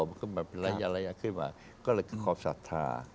มันคือมาระยะขึ้นมาก็เลยคือความศรัทธา